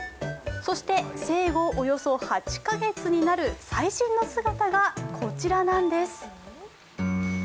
そして、生後およそ８カ月になる最新の姿がこちらなんです。